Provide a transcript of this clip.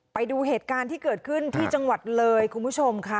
ไปดูเหตุการณ์ที่เกิดขึ้นที่จังหวัดเลยคุณผู้ชมค่ะ